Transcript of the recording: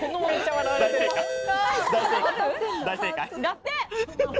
だって！